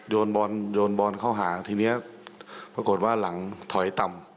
โดนบอลโดนบอลเข้าหาทีนี้ปรากฏว่าหลังถอยต่ำ